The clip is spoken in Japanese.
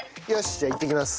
じゃあいってきます。